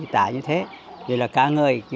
tả như thế vậy là ca ngợi